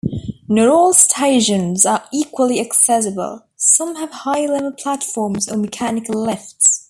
Not all stations are equally accessible; some have high-level platforms or mechanical lifts.